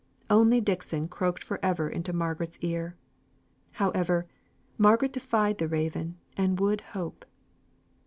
Only Dixon croaked for ever into Margaret's ear. However, Margaret defied the raven, and would hope.